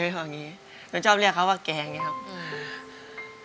หนูชอบเรียกเขาว่าแก่อย่างงี้ครับ